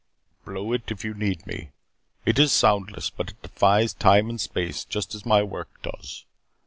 "Blow it if you need me. It is soundless, but it defies time and space just as my work does.